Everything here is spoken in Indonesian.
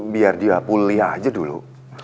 biar dia kuliah aja dulu